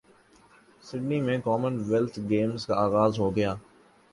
Sydney ویں Commonwealth Games کا اغاز ہو گیا